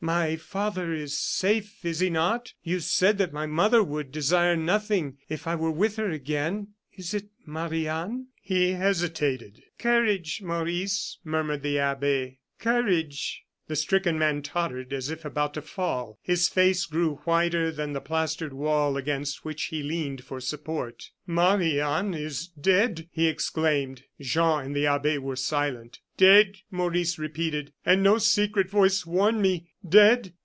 "My father is safe, is he not? You said that my mother would desire nothing, if I were with her again. Is it Marie Anne " He hesitated. "Courage, Maurice," murmured the abbe. "Courage!" The stricken man tottered as if about to fall; his face grew whiter than the plastered wall against which he leaned for support. "Marie Anne is dead!" he exclaimed. Jean and the abbe were silent. "Dead!" Maurice repeated "and no secret voice warned me! Dead!